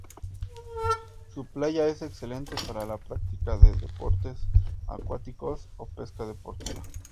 Su playa es excelente para la práctica de deportes acuáticos, o pesca deportiva.